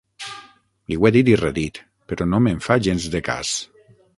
Li ho he dit i redit, però no me'n fa gens de cas.